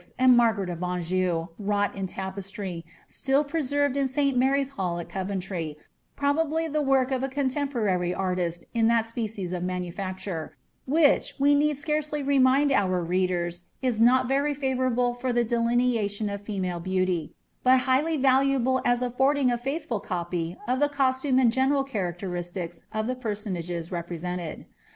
and Margaret of you, wrought in tapestry, still preserved in St. Mary*s Hall at Coven r, probably the work of a contemporary artist in that species of manu uure, which, we need scarcely remind our readers, is not very favour le for the delineation of female beauty, but highly valuable as aflbrd f m faithful copy of the costume and general characteristics of the nonages represented.